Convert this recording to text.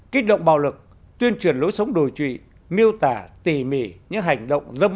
bảy kích động bạo lực tuyên truyền lối sống đồi truy miêu tả tỉ mỉ những hành động dâm bạc